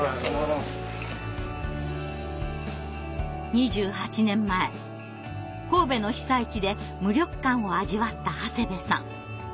２８年前神戸の被災地で無力感を味わった長谷部さん。